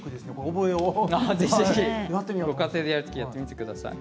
ご家庭でやる時にやってみてください。